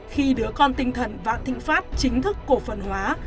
khi đứa con tinh thần vã tĩnh pháp chính thức cổ phần hóa